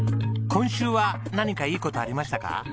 今週は何かいい事ありましたか？